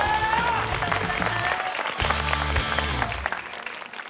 おめでとうございます。